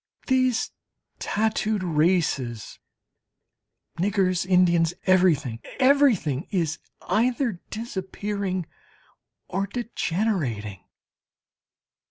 These tattooed races, niggers, Indians everything, everything is either disappearing or degenerating.